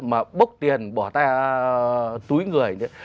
mà bốc tiền bỏ tay túi người nữa